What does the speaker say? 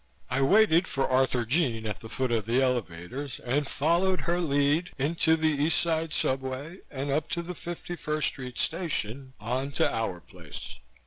I waited for Arthurjean at the foot of the elevators and followed her lead, into the East Side subway and up to the 51st Street station, on to "our place."